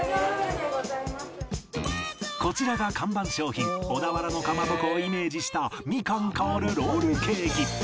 こちらが看板商品小田原のかまぼこをイメージしたみかん香るロールケーキ